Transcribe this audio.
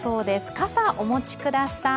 傘、お持ちください。